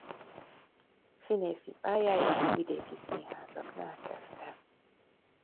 Színészi pályáját vidéki színházaknál kezdte.